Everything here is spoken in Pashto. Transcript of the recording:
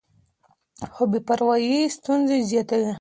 خو بې پروايي ستونزې زیاتوي.